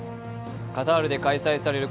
カタールで開催される